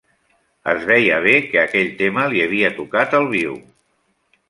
Es veia bé que aquell tema li havia tocat al viu.